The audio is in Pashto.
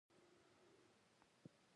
بې حوصلې کېږو او علاقه مو کميږي.